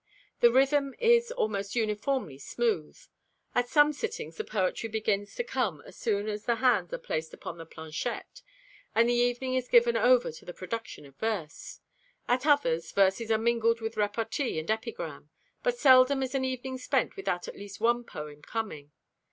The rhythm is almost uniformly smooth. At some sittings the poetry begins to come as soon as the hands are placed upon the planchette, and the evening is given over to the production of verse. At others, verses are mingled with repartee and epigram, but seldom is an evening spent without at least one poem coming.